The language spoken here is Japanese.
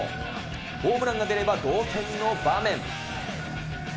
ホームランが出れば、同点の場面。